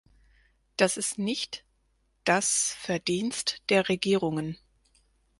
Das ist nicht das Verdienst der Regierungen.